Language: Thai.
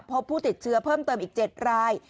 พบผู้ติดเชื้อเพิ่มเติมอีก๗ราย